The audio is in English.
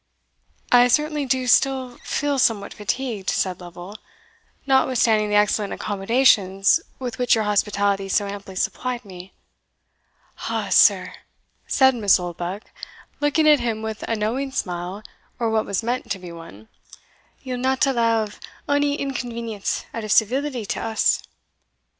"I certainly do still feel somewhat fatigued," said Lovel, "notwithstanding the excellent accommodations with which your hospitality so amply supplied me." "Ah, sir!" said Miss Oldbuck looking at him with a knowing smile, or what was meant to be one, "ye'll not allow of ony inconvenience, out of civility to us."